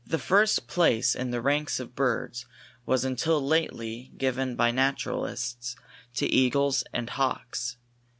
The first place in the ranks of birds was until lately given by naturalists to eagles and hawks.